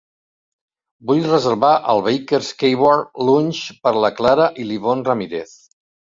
Vull reservar el Baker's Keyboard Lounge per a la Clara i l'Yvonne Ramirez.